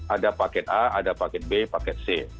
ada paket a ada paket b paket c